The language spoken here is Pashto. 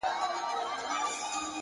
د حقیقت منل د ودې دروازه ده.